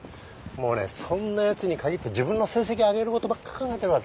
もうねそんなやつに限って自分の成績上げることばっか考えてるわけ。